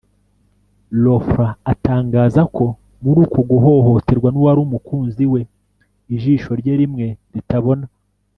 Lefranc atangaza ko muri uko guhohoterwa n’uwari umukunzi we ijisho rye rimwe ritabona